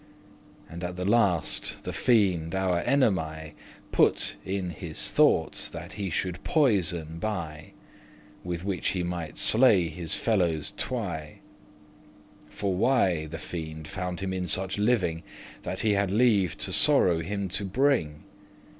And at the last the fiend our enemy Put in his thought, that he should poison buy, With which he mighte slay his fellows twy.* *two For why, the fiend found him *in such living,* *leading such a That he had leave to sorrow him to bring.